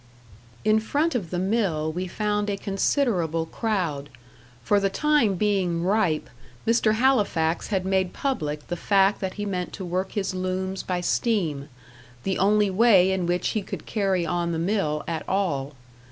In front of the mill we found a considerable crowd; for the time being ripe, Mr. Halifax had made public the fact that he meant to work his looms by steam, the only way in which he could carry on the mill at all.